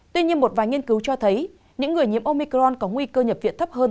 tuy nhiên một vài nghiên cứu cho thấy những người nhiễm omicron có nguy cơ nhập viện thấp hơn